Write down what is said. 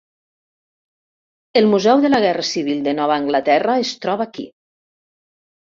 El museu de la guerra civil de Nova Anglaterra es troba aquí.